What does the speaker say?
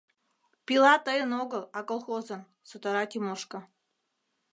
— Пила тыйын огыл, а колхозын! — сотара Тимошка.